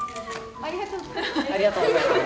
ありがとうございます。